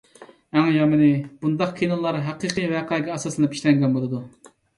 ئەڭ يامىنى، بۇنداق كىنولار ھەقىقىي ۋەقەگە ئاساسلىنىپ ئىشلەنگەن بولىدۇ.